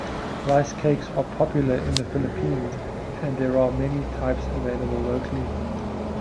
Rice cakes are popular in the Philippines, and there are many types available locally.